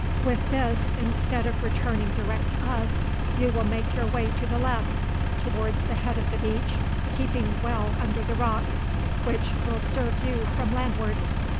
With this instead of returning direct to us, you will make your way to the left, towards the head of the beach, keeping well under the rocks, which will serve you from landward.